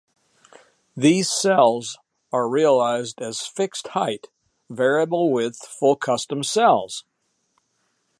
These cells are realized as fixed-height, variable-width full-custom cells.